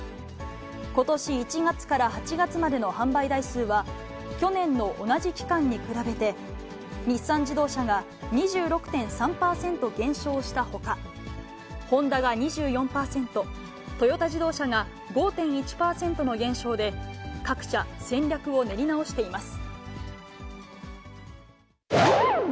ことし１月から８月までの販売台数は、去年の同じ期間に比べて日産自動車が２６．３％減少したほか、ホンダが２４％、トヨタ自動車が５．１％の減少で、各社、戦略を練り直しています。